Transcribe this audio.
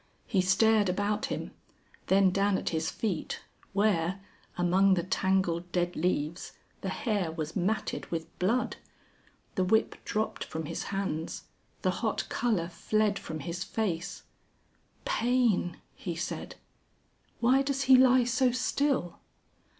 He stared about him, then down at his feet where, among the tangled dead leaves, the hair was matted with blood. The whip dropped from his hands, the hot colour fled from his face. "Pain!" he said. "Why does he lie so still?"